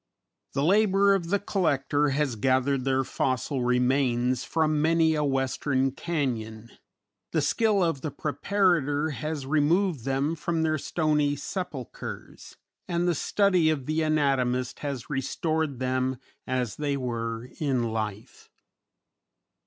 The labor of the collector has gathered their fossil remains from many a Western canyon, the skill of the preparator has removed them from their stony sepulchres and the study of the anatomist has restored them as they were in life.